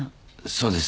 そうです。